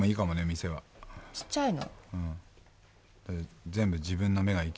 店はちっちゃいの？